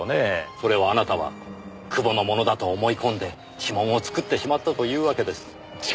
それをあなたは久保のものだと思い込んで指紋を作ってしまったというわけです。